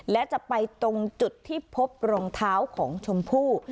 และจะไปตรงจุดที่พบรองเท้าของชมพู่